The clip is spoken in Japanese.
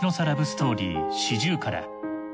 ラブストーリー『シジュウカラ』。